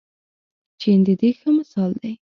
چین د دې ښه مثال دی.